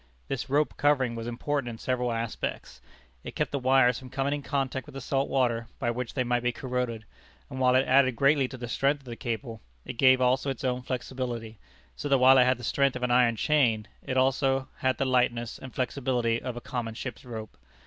This rope covering was important in several respects. It kept the wires from coming in contact with the salt water, by which they might be corroded; and while it added greatly to the strength of the cable, it gave it also its own flexibility so that while it had the strength of an iron chain, it had also the lightness and flexibility of a common ship's rope.